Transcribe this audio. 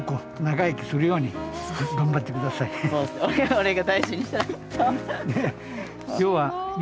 俺が大事にし痛！